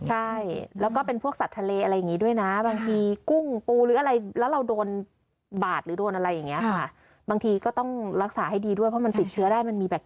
ใช่แล้วก็เป็นพวกสัตว์ทะเลอะไรอย่างนี้ด้วยนะ